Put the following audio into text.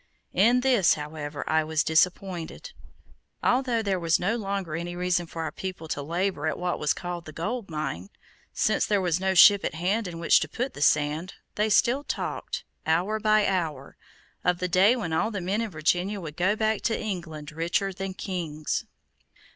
In this, however, I was disappointed. Although there was no longer any reason for our people to labor at what was called the gold mine, since there was no ship at hand in which to put the sand, they still talked, hour by hour, of the day when all the men in Virginia would go back to England richer than kings.